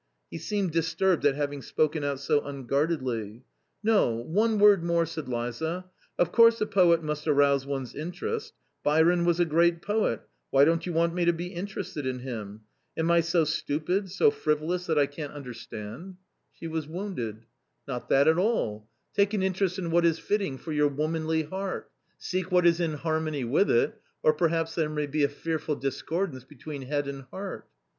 He seemed disturbed at having spoken out so un guardedly. " No, one word more," said Liza, " of course a poet must arouse one's interest. Byron was a great poet ; why don't you want me to be interested in him? Am I so stupid, so frivolous that I can't understand ?" A COMMON STORY 213 She was wounded. " Not that at all : take an interest in what is fitting for your womanly heart; seek what is in harmony with it, or perhaps there may be a fearful discordance between head and heart."